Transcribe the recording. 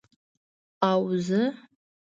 اوزه؟